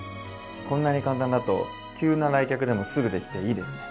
こんなに簡単だと急な来客でもすぐできていいですね。